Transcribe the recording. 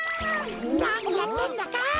なにやってんだか！